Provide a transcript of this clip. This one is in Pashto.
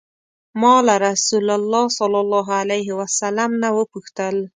ما له رسول الله صلی الله علیه وسلم نه وپوښتل.